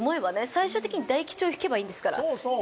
最終的に大吉を引けばいいんですから。